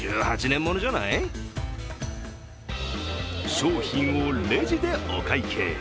商品をレジでお会計。